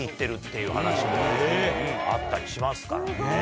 いう話もあったりしますからね。